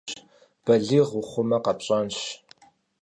Балигъ ухъумэ къэпщӏэнщ.